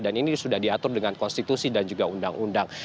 dan ini sudah diatur dengan konstitusi dan juga undang undang